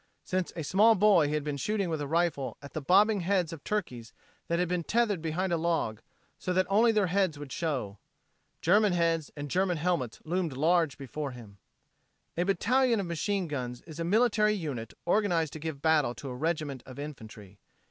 Since a small boy he had been shooting with a rifle at the bobbing heads of turkeys that had been tethered behind a log so that only their heads would show. German heads and German helmets loomed large before him. A battalion of machine guns is a military unit organized to give battle to a regiment of infantry.